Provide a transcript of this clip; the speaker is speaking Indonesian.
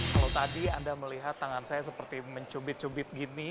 kalau tadi anda melihat tangan saya seperti mencubit cubit gini